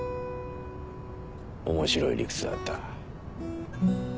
面白い理屈だった。